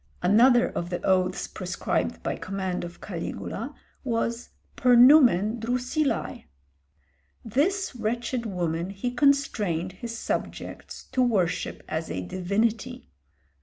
Another of the oaths prescribed by command of Caligula was "per numen Drusillæ." This wretched woman he constrained his subjects to worship as a divinity.